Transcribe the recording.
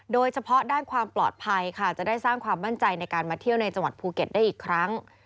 โดยเฉพาะด้านความปลอดภัยค่ะจะได้สร้างความมั่นใจในการมาเที่ยวในจังหวัดภูเก็ตได้อีกครั้ง